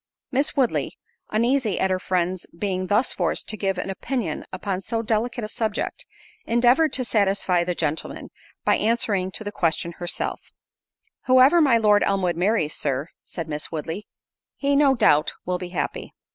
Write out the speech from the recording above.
Miss Woodley, uneasy at her friend's being thus forced to give an opinion upon so delicate a subject, endeavoured to satisfy the gentleman, by answering to the question herself: "Whoever my Lord Elmwood marries, Sir," said Miss Woodley, "he, no doubt, will be happy."